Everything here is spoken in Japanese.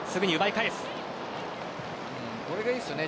これがいいですよね。